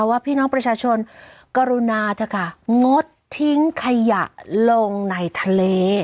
ว่าพี่น้องประชาชนกรุณาเถอะค่ะงดทิ้งขยะลงในทะเล